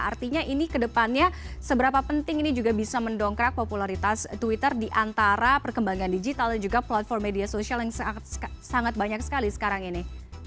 artinya ini kedepannya seberapa penting ini juga bisa mendongkrak popularitas twitter di antara perkembangan digital dan juga platform media sosial yang sangat banyak sekali sekarang ini